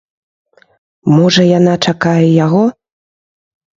Можа, яна чакае яго?